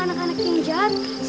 gak gak ada waktu